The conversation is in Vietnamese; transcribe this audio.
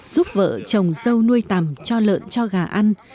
giúp vợ chồng dâu nuôi tầm cho lợn cho gà ăn